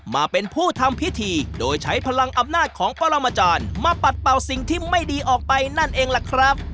มาเป็นผู้ทำพิธีโดยใช้พลังอำนาจของปรมาจารย์มาปัดเป่าสิ่งที่ไม่ดีออกไปนั่นเองล่ะครับ